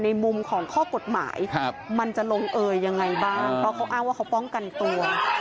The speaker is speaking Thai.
ในมุมของข้อกฎหมายมันจะลงเอยยังไงบ้างเพราะเขาอ้างว่าเขาป้องกันตัว